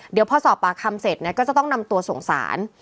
เดี๋ยวพอสอบปากคำเสร็จก็จะต้องนำตัวส่งสาร